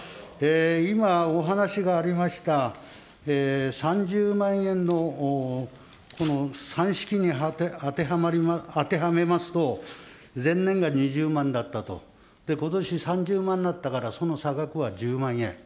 今、お話がありました、３０万円のこの算式に当てはめますと、前年が２０万だったと、ことし３０万になったからその差額が１０万円。